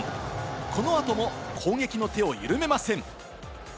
この後も攻撃の手を緩めません。